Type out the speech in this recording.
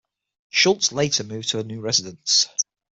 Schultz later moved to a new residence.